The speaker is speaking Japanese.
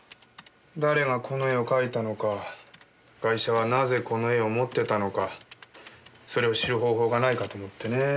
誰がこの絵を描いたのかガイシャはなぜこの絵を持ってたのかそれを知る方法がないかと思ってねえ。